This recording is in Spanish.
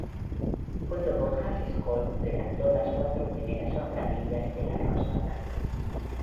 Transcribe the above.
Junto con Hans Scholl, redactó las cuatro primeras octavillas de la Rosa Blanca.